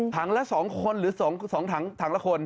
ละ๒คนหรือ๒ถังละคน